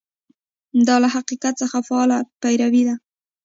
دا له حقیقت څخه فعاله پیروي ده.